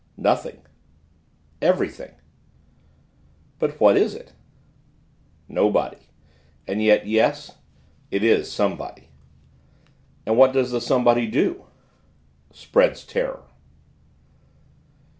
"Nothing.... Everything!" "But what is it?" "Nobody.... And yet, yes, it is somebody!" "And what does the somebody do?" "Spreads terror!"